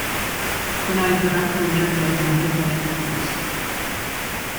Gwnaeth y rhaglen redeg am bedair cyfres.